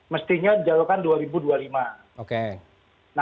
mestinya dilakukan dua ribu dua puluh lima